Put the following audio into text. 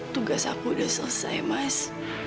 tugas aku sudah selesai mas